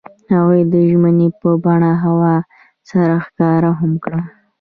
هغوی د ژمنې په بڼه هوا سره ښکاره هم کړه.